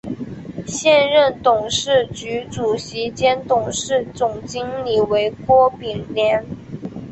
现任董事局主席兼董事总经理为郭炳联。